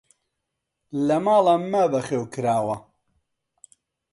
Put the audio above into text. لە ماڵە مە بەخێو کراوە!